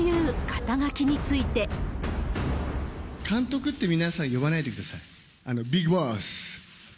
監督って皆さん呼ばないでください。